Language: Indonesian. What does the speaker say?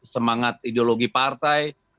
semangat ideologi partai